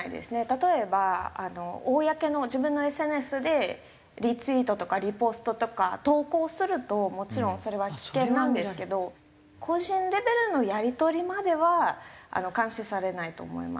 例えば公の自分のＳＮＳでリツイートとかリポストとか投稿をするともちろんそれは危険なんですけど個人レベルのやり取りまでは監視されないと思います。